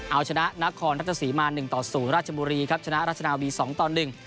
เอาชนะนครรัชศรีมาหนึ่งต่อศูนย์ราชบุรีครับชนะราชนาวีสองต่อหนึ่ง